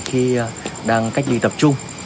khi đang cách ly tập trung